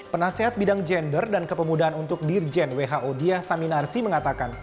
penasehat bidang gender dan kepemudaan untuk dirjen who dia saminarsi mengatakan